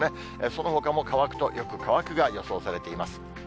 そのほかも乾くとよく乾くが予想されています。